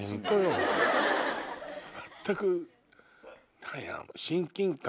全く。